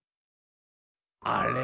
あれ？